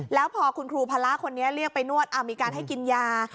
แล้วพอคุณครูพระคนนี้เรียกไปนวดมีการให้กินยา